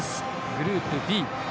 グループＢ。